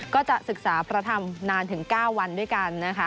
ก็จะศึกษาพระธรรมนานถึง๙วันด้วยกันนะคะ